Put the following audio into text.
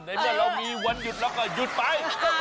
ในเมื่อเรามีวันหยุดเราก็หยุดไป